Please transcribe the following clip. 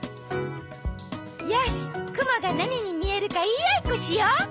よしくもがなににみえるかいいあいっこしよう！